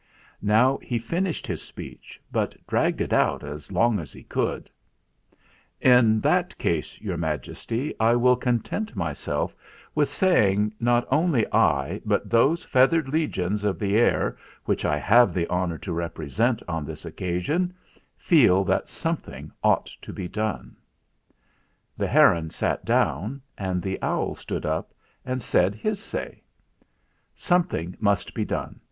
Now he fin ished his speech, but dragged it out as long as he could: "In that case, Your Majesty, I will content myself with saying that not only I, but those feathered legions of the air which I have the honour to represent on this occasion, feel that something ought to be done." The heron sat down and the owl stood up and said his say : "Something must be done.